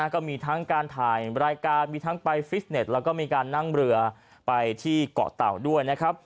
ก็มีทั้งการถ่ายรายการมีทั้งไปฟิสเน็ตแล้วก็มีการนั่งเรือไปที่เกาะเต่าด้วยนะครับ